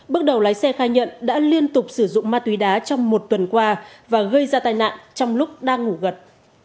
bước đầu lái xe khai nhận đã liên tục sử dụng ma túy đá trong một tuần qua và gây ra tai nạn trong lúc đang ngủ gật